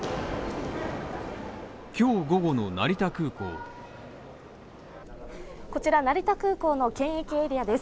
今日午後の成田空港こちら成田空港の検疫エリアです